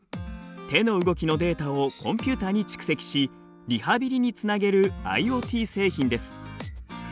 手の動きのデータをコンピューターに蓄積しリハビリにつなげるＩｏＴ製品です。